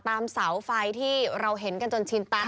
ตามเสาไฟที่เราเห็นจนกว่าที่จอดชินตั้ง